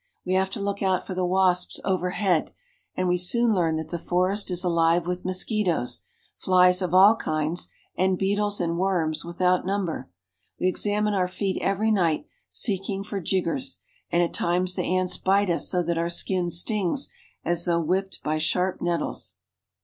We have to look out for the wasps overhead ; and we soon learn that the forest is alive with mosquitoes, flies of all kinds, and beetles and worms without number. We examine our feet every night, seeking for jiggers, and at times the ants bite us so that our skin stings as though whipped by sharp nettles.